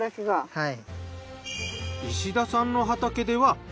はい。